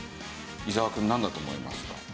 伊沢くんなんだと思いますか？